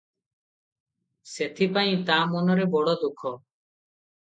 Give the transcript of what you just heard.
ସେଥିପାଇଁ ତା ମନରେ ବଡ଼ ଦୁଃଖ ।